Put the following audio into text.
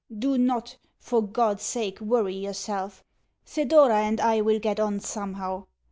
Do not, for God's sake, worry yourself Thedora and I will get on somehow.